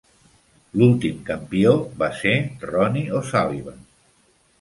L'últim campió va ser Ronnie O'Sullivan.